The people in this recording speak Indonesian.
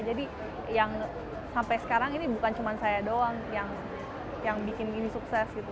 jadi yang sampai sekarang ini bukan cuma saya doang yang bikin ini sukses gitu